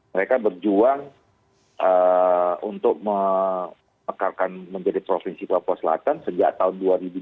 mereka berjuang untuk memekarkan menjadi provinsi papua selatan sejak tahun dua ribu dua belas